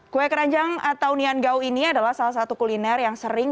kue keranjang atau niangau ini adalah salah satu kuliner yang sering